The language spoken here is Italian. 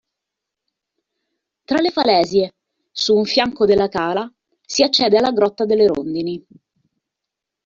Tra le falesie, su un fianco della cala, si accede alla Grotta delle Rondini.